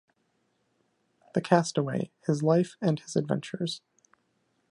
The Castaway: His Life and His Adventures.